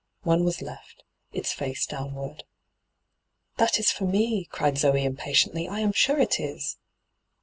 One was left, its fiu:e downward. 'That is for me,' cried Zoe impatiently; 'I am sure it is.'